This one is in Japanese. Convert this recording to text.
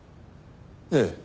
ええ。